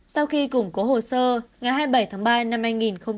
sau khi củng cố hồ sơ ngày hai mươi bảy tháng ba năm hai nghìn hai mươi